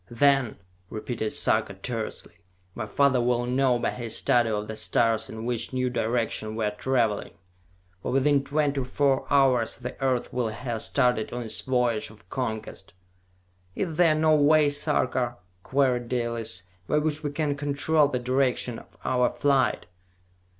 "Then," repeated Sarka tersely, "my father will know by his study of the stars in which new direction we are traveling! For within twenty four hours the Earth will have started on its voyage of conquest!" "Is there no way, Sarka," queried Dalis, "by which we can control the direction of our flight!"